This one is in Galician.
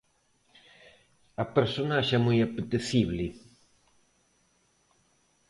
A personaxe é moi apetecible.